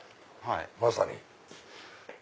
まさに。